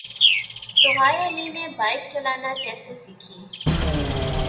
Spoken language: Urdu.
سوہائے علی نے بائیک چلانا کیسے سیکھی